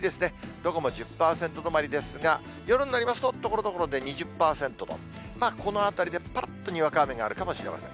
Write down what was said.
どこも１０％止まりですが、夜になりますと、ところどころで２０％と、この辺りでぱらっとにわか雨があるかもしれません。